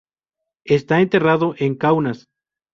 Está enterrado en Kaunas.